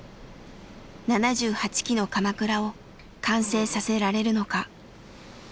７８基のかまくらを完成させられるのか。